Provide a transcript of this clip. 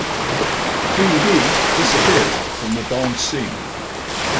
Dee Dee disappeared from the dance scene.